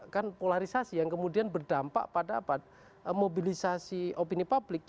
kan polarisasi yang kemudian berdampak pada mobilisasi opini publik